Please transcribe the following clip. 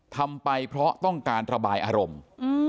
ทำไปเพราะต้องการระบายอารมณ์